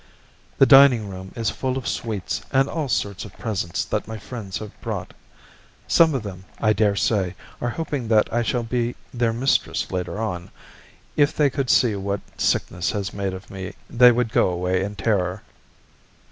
The dining room is full of sweets and all sorts of presents that my friends have brought. Some of them, I dare say, are hoping that I shall be their mistress later on. If they could see what sickness has made of me, they would go away in terror.